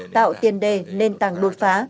tạo tiền đề lên tàng đột phá